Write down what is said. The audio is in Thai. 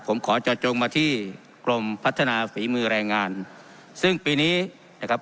ผมขอเจาะจงมาที่กรมพัฒนาฝีมือแรงงานซึ่งปีนี้นะครับ